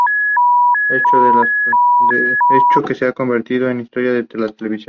Hecho que se ha convertido en historia de la televisión.